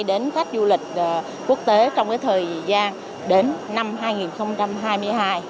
đến khách du lịch quốc tế trong thời gian đến năm hai nghìn hai mươi hai